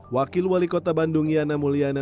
wakil wali kota bandung yana mulyana